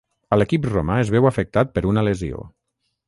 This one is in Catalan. A l'equip romà es veu afectat per una lesió.